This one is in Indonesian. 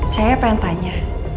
saya pengen tanya